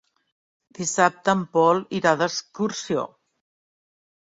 Dissabte en Pol irà d'excursió.